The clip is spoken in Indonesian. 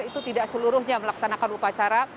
itu tidak seluruhnya melaksanakan upacara